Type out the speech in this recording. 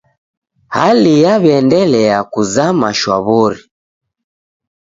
Hali yaw'iaendelia kuzama shwaw'ori.